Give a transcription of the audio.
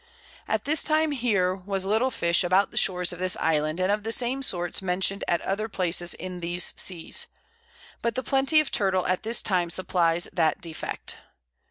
_] At this time here was little Fish about the Shores of this Island, and of the same sorts mention'd at other Places in these Seas; but the Plenty of Turtle at this time supplies that Defect.